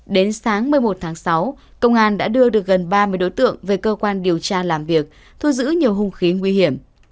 đến sáng một mươi một tháng sáu công an đã đưa được gần ba mươi đối tượng về cơ quan điều tra làm việc thu giữ nhiều hung khí nguy hiểm